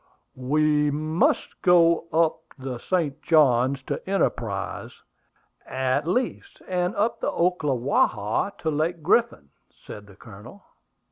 "We must go up the St. Johns to Enterprise, at least, and up the Ocklawaha to Lake Griffin," said the Colonel.